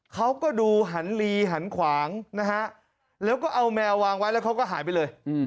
เขาก็ดูหันลีหันขวางนะฮะแล้วก็เอาแมววางไว้แล้วเขาก็หายไปเลย